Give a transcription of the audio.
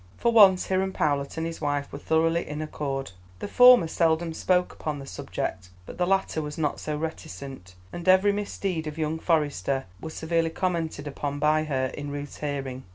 For once Hiram Powlett and his wife were thoroughly in accord. The former seldom spoke upon the subject, but the latter was not so reticent, and every misdeed of young Forester was severely commented upon by her in Ruth's hearing.